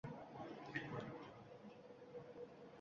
lyo‘lga yugurib chiqish mumkin emasligini tushuntiring.